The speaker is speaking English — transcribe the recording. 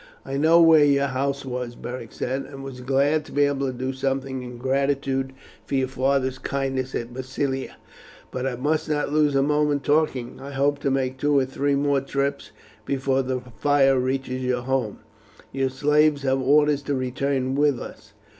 "I knew where your house was," Beric said, "and was glad to be able to do something in gratitude for your father's kindness at Massilia. But I must not lose a moment talking; I hope to make two or three more trips before the fire reaches your house. Your slaves have orders to return with us.